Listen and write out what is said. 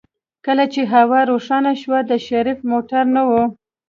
کله چې هوا روښانه شوه د شريف موټر نه و.